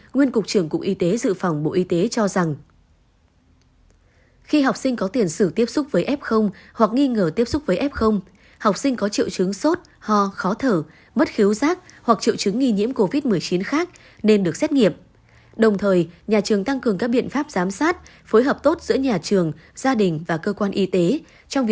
nguyên cục trưởng cụ y tế dự phòng bộ y tế cho rằng